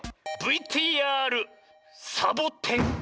ブイティーアールサボテン！